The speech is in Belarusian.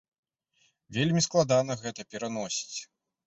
Вельмі складана гэта пераносіць.